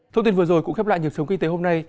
thông tin vừa rồi cũng khép lại nhập sống kinh tế hôm nay